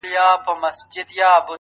زه د یویشتم قرن غضب ته فکر نه کوم ـ